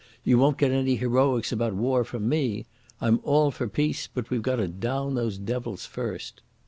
You won't get any heroics about war from me. I'm all for peace, but we've got to down those devils first."